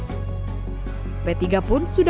p tiga pun sudah menyatakan berikutnya